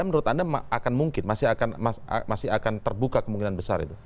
menurut anda akan mungkin masih akan terbuka kemungkinan besar itu